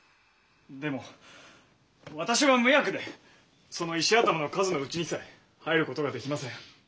でも私は無役でその石頭の数のうちにさえ入ることができません。